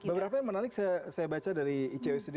beberapa yang menarik saya baca dari icusd